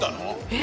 え！